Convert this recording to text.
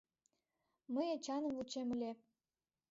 — Мый Эчаным вучем ыле.